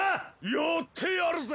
やってやるぜ！！